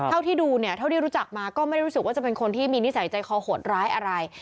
เท่าที่ดูเนี่ยเท่าที่รู้จักมาก็ไม่ได้รู้สึกว่าจะเป็นคนที่มีนิสัยใจคอโหดร้ายอะไร